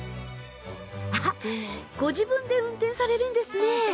あっご自分で運転されるんですね。